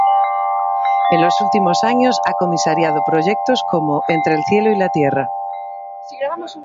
En los últimos años ha comisariado proyectos como “Entre el cielo y la tierra.